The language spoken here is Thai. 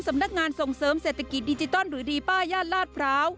ส่งเสริมเศรษฐกิจดิจิตอลหรือดีป้าย่านลาดพร้าว